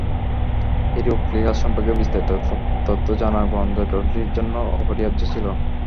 Heraclius সম্পর্কে বিস্তারিত তথ্য জানা গোয়েন্দা দলটির জন্য অপরিহার্য ছিল।